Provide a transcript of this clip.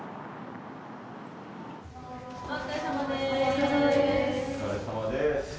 お疲れさまです。